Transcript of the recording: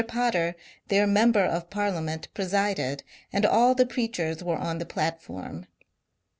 Potter, their member of Parliament, presided, and all the preachers were on the platform.